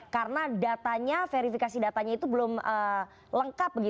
karena verifikasi datanya itu belum lengkap